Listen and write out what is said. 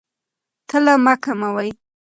تله مه کموئ.